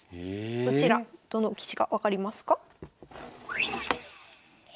そちらどの棋士か分かりますか？